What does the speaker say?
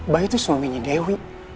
bayi tuh suaminya dewi